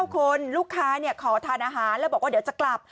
คนลูกค้าขอทานอาหารแล้วบอกว่าเดี๋ยวจะกลับ